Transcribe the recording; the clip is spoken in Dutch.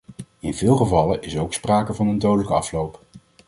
In veel gevallen is ook sprake van een dodelijke afloop.